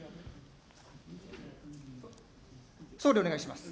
総理、お願いします。